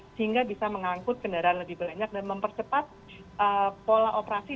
sehingga bisa mengangkut kendaraan lebih banyak dan mempercepat pola operasi